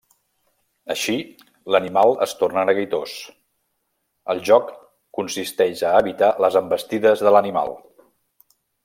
Així, l'animal es torna neguitós; el joc consisteix a evitar les envestides de l'animal.